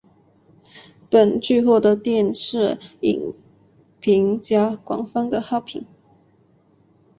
本剧获得电视影评家广泛的好评。